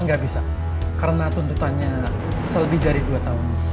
gak bisa karena tuntutannya selbi dari dua tahun